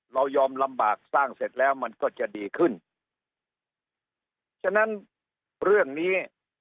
เรายอมลำบากสร้างเสร็จแล้วมันก็จะดีขึ้นฉะนั้นเรื่องนี้